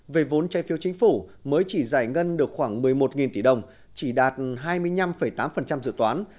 về vốn trai phiêu chính phủ mới chỉ giải ngân được khoảng một mươi một tỷ đồng chỉ đạt hai mươi năm tám dự toán